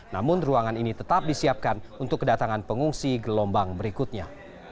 namun ruangan ini tetap disiapkan untuk kedatangan pengungsi gelombang berikutnya